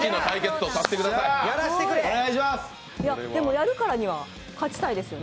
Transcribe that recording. でもやるからには勝ちたいですよね。